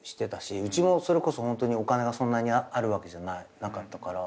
うちもそれこそお金がそんなにあるわけじゃなかったから。